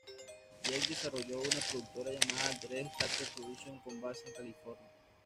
Jet desarrolló una productora llamada Altered States Productions con base en California.